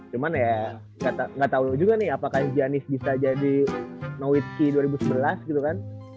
cuman ya ga tau juga nih apakah giannis bisa jadi nowitki dua ribu sebelas gitu kan